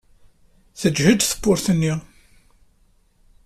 Tejhed tewwurt-nni.